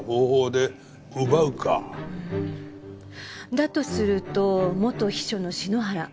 だとすると元秘書の篠原。